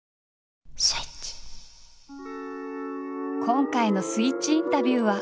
今回の「スイッチインタビュー」は。